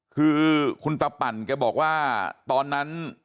คือคุณตาปั่นแกบอกว่าตอนนั้น